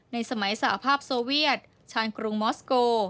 ในสมัยสหภาพโซเวียตชานกรุงมอสโก